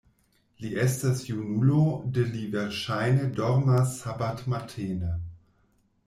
Li estas junulo, do li verŝajne dormas sabatmatene.